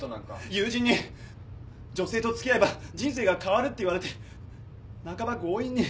友人に女性と付き合えば人生が変わるって言われて半ば強引に。